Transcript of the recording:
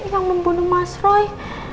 yang membunuh mas roy